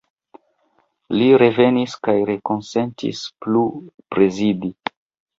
Li revenis kaj rekonsentis plu prezidi.